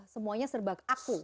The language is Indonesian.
semuanya serba aku